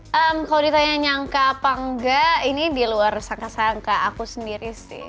hmm kalau ditanya nyangka apa enggak ini di luar sangka sangka aku sendiri sih